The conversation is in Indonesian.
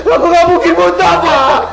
aku gak mungkin buta pa